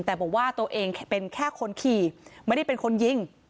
แต่บอกว่าตัวเองเป็นแค่คนขี่ไม่ได้เป็นคนยิง